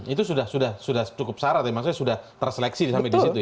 itu sudah cukup syarat ya maksudnya sudah terseleksi sampai di situ ya